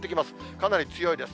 かなり強いです。